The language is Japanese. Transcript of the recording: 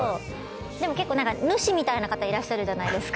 でも結構何か主みたいな方いらっしゃるじゃないですか。